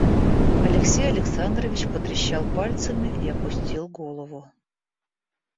Алексей Александрович потрещал пальцами и опустил голову.